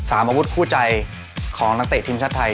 อาวุธคู่ใจของนักเตะทีมชาติไทย